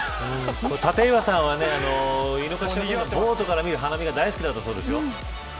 立岩さんは井の頭公園ボートから見る花見が大好きだったそうですよ。